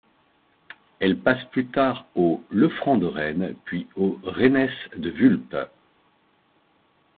Elle passe plus tard aux le Franc de Rennes puis aux Renesse de Wulp.